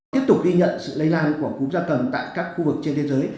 tiếp tục ghi nhận sự lây lan của cúng gia cầm tại các khu vực trên thế giới